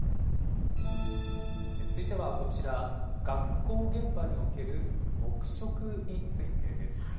続いてはこちら、学校現場における黙食についてです。